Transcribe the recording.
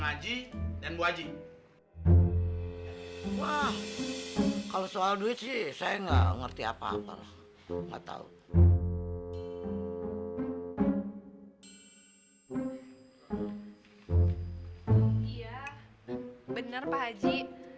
haji dan bu haji wah kalau soal duit sih saya nggak ngerti apa apa nggak tahu ya bener pak haji